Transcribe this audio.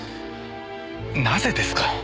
なぜですか！？